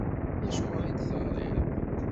Acuɣeṛ i d-teɣṛiḍ?